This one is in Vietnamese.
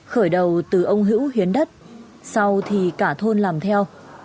khởi đầu từ ông hữu hiến đất sau thì cả thôn làm theo